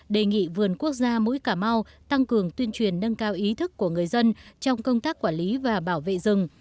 đề nghị vườn quốc gia mũi cà mau tăng cường tuyên truyền nâng cao ý thức của người dân trong công tác quản lý và bảo vệ rừng